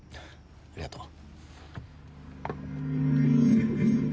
ありがとう。